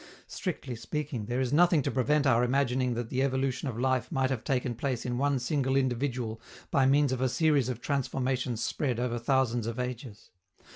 Strictly speaking, there is nothing to prevent our imagining that the evolution of life might have taken place in one single individual by means of a series of transformations spread over thousands of ages.